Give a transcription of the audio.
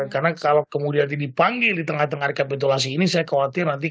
karena kalau kemudian dipanggil di tengah tengah rekapitulasi ini saya khawatir nanti kpu